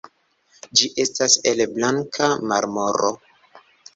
Ĝi estas el blanka marmoro.